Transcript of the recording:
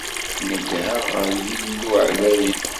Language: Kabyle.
Nedheɣ ɣer Yillu εlayen.